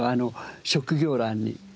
職業欄に。